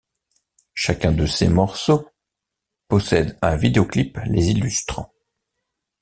Chacun de ces morceaux possèdent un vidéoclip les illustrant.